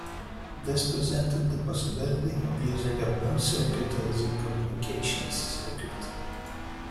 This presented the possibility of using a Moon circuit as a communications circuit.